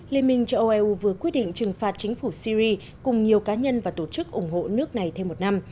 liên minh châu âu eu vừa quyết định trừng phạt chính phủ syri cùng nhiều cá nhân và tổ chức ủng hộ nước này thêm một năm